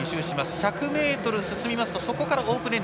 １００ｍ進みますとそこからオープンレーン。